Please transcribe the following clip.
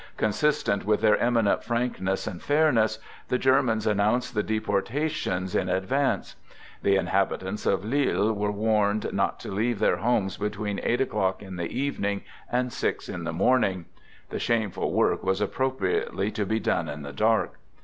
Consistent with their eminent frankness and fairness, the Germans announced the deporta tions in advance. The inhabitants of Lille were warned not to leave their homes between eight o'clock in the evening and six in the morning. (The shameful work was appropriately to be done in the dark.)